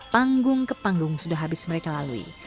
panggung ke panggung sudah habis mereka lalui